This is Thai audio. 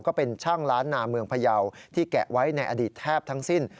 ก็เป็นช่างล้านนาเมืองพยาวที่แกะไว้ในอดีตแทบทั้งสิ้น